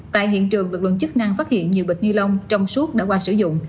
tại hiện trường lực lượng chức năng phát hiện nhiều bịch ni lông trong suốt đã qua sử dụng